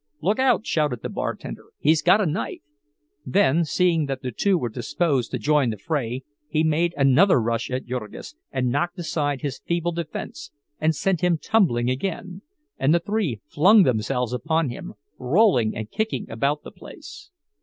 "Look out!" shouted the bartender. "He's got a knife!" Then, seeing that the two were disposed to join the fray, he made another rush at Jurgis, and knocked aside his feeble defense and sent him tumbling again; and the three flung themselves upon him, rolling and kicking about the place.